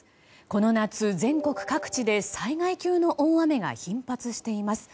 この夏、全国各地で災害級の大雨が頻発しています。